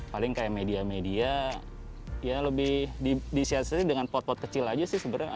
paling kayak media media ya lebih disiasati dengan pot pot kecil aja sih sebenarnya